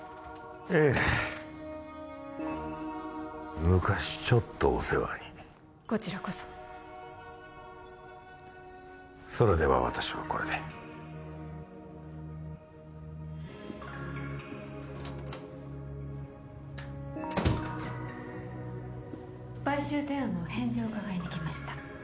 ええ昔ちょっとお世話にこちらこそそれでは私はこれで買収提案のお返事を伺いに来ました